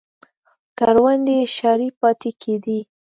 کروندې یې شاړې پاتې کېدې